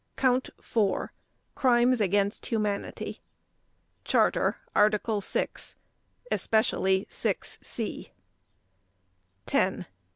COUNT FOUR—CRIMES AGAINST HUMANITY (Charter, Article 6, especially 6 (c)) X.